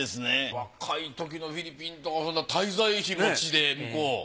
若いときのフィリピンと滞在費持ちで向こう。